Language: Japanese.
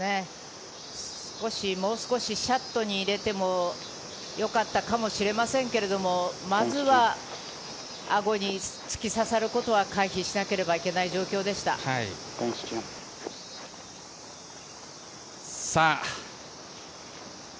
もう少しシャットに入れてもよかったかもしれませんけど、まずはアゴに突き刺さることは回避しなければならない状況でした。